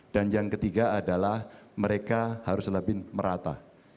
dan yang ketiga adalah mereka harus lebih merata